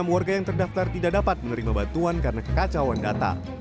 satu ratus lima puluh enam warga yang terdaftar tidak dapat menerima bantuan karena kekacauan data